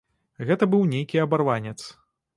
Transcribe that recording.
Гэта быў нейкі абарванец.